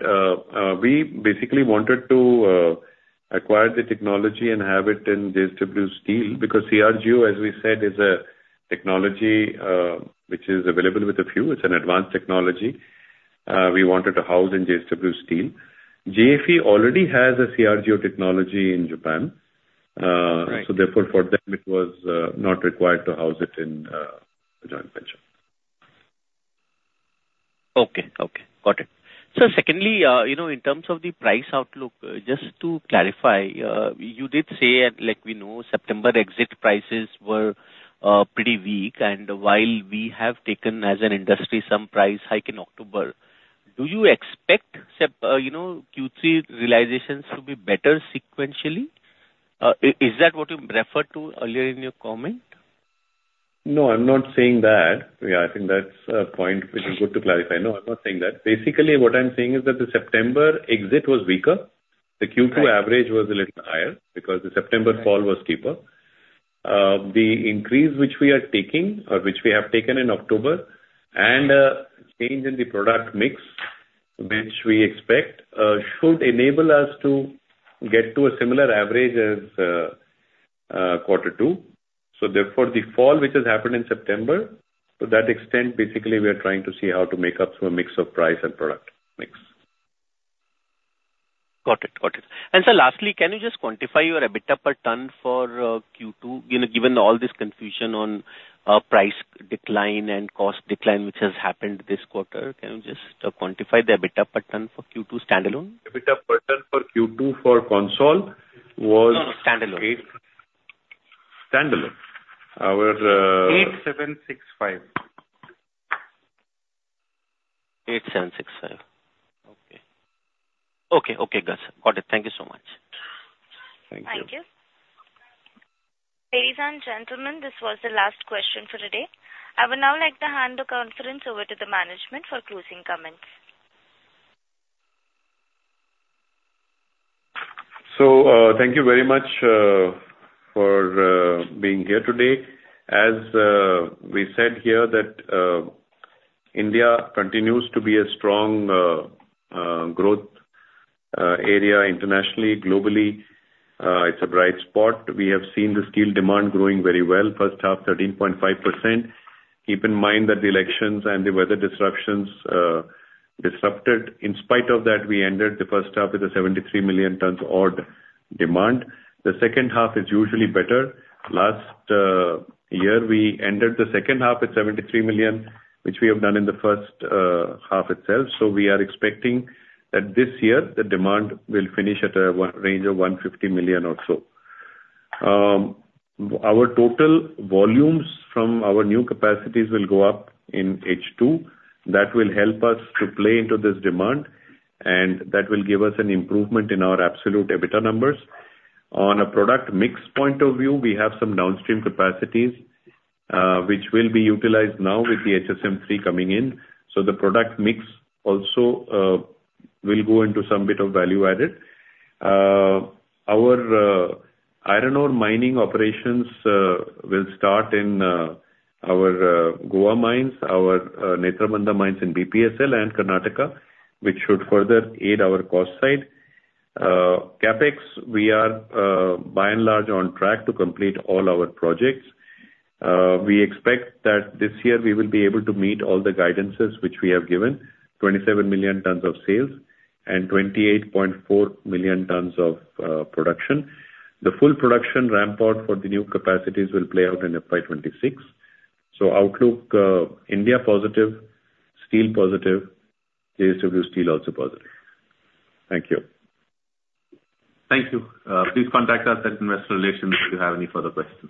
we basically wanted to acquire the technology and have it in JSW Steel, because CRGO, as we said, is a technology which is available with a few. It's an advanced technology we wanted to house in JSW Steel. JFE already has a CRGO technology in Japan. Right. So therefore, for them it was not required to house it in a joint venture. Okay. Okay, got it. Sir, secondly, you know, in terms of the price outlook, just to clarify, you did say, and like we know, September exit prices were pretty weak, and while we have taken, as an industry, some price hike in October, do you expect September, you know, Q3 realizations to be better sequentially? Is that what you referred to earlier in your comment? No, I'm not saying that. Yeah, I think that's a point which is good to clarify. No, I'm not saying that. Basically, what I'm saying is that the September exit was weaker. Right. The Q2 average was a little higher, because the September- Right Fall was steeper. The increase which we are taking, or which we have taken in October, and change in the product mix, which we expect, should enable us to get to a similar average as quarter two. So therefore, the fall, which has happened in September, to that extent, basically, we are trying to see how to make up through a mix of price and product mix. Got it. Got it. And sir, lastly, can you just quantify your EBITDA per ton for Q2? You know, given all this confusion on price decline and cost decline, which has happened this quarter, can you just quantify the EBITDA per ton for Q2 standalone? EBITDA per ton for Q2 for consolidated was- No, standalone. Standalone. Our Eight seven six five. Eight seven six five. Okay. Okay, okay, got it. Thank you so much. Thank you. Thank you. Ladies and gentlemen, this was the last question for today. I would now like to hand the conference over to the management for closing comments. Thank you very much for being here today. As we said here, that India continues to be a strong growth area internationally. Globally, it's a bright spot. We have seen the steel demand growing very well, first half, 13.5%. Keep in mind that the elections and the weather disruptions disrupted. In spite of that, we ended the first half with a 73 million tons odd demand. The second half is usually better. Last year, we ended the second half at 73 million, which we have done in the first half itself, so we are expecting that this year the demand will finish at a range of 150 million or so. Our total volumes from our new capacities will go up in H2. That will help us to play into this demand, and that will give us an improvement in our absolute EBITDA numbers. On a product mix point of view, we have some downstream capacities, which will be utilized now with the HSM3 coming in, so the product mix also will go into some bit of value added. Our iron ore mining operations will start in our Goa mines, our Netrabandha mines in BPSL and Karnataka, which should further aid our cost side. CapEx, we are by and large on track to complete all our projects. We expect that this year we will be able to meet all the guidances which we have given, 27 million tons of sales and 28.4 million tons of production. The full production ramp up for the new capacities will play out in FY 2026. So outlook, India, positive. Steel, positive. JSW Steel, also positive. Thank you. Thank you. Please contact us at Investor Relations if you have any further questions.